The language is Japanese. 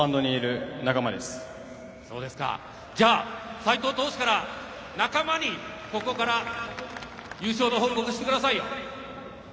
じゃあ斎藤投手から仲間にここから優勝の報告して下さいよ。